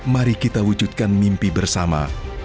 mari kita wujudkan mimpi bersama